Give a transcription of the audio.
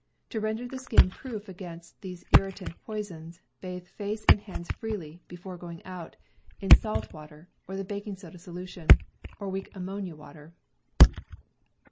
To render the skin proof against these irritant poisons, bathe face and hands freely, before going out, in salt water, or the baking soda solution, or weak ammonia water.